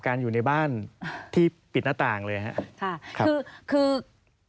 สวัสดีค่ะที่จอมฝันครับ